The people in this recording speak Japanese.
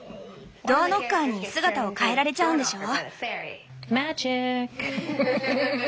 ドアノッカーに姿を変えられちゃうんでしょ？